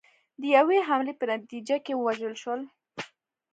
د یوې حملې په نتیجه کې ووژل شول.